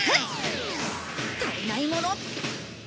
足りないもの。